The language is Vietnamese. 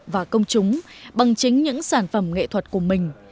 và công chúng bằng chính những sản phẩm nghệ thuật của mình